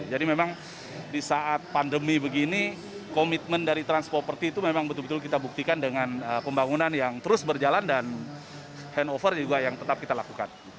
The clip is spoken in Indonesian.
jadi memang di saat pandemi begini komitmen dari transproperty itu memang betul betul kita buktikan dengan pembangunan yang terus berjalan dan handover juga yang tetap kita lakukan